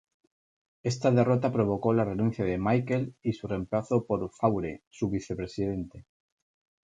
Esta derrota provocó la renuncia de Michel y su reemplazo por Faure, su vicepresidente.